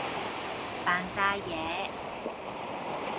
扮曬嘢